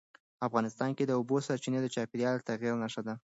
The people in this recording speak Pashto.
افغانستان کې د اوبو سرچینې د چاپېریال د تغیر نښه ده.